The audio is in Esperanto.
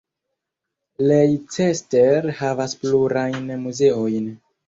Leicester havas plurajn muzeojn.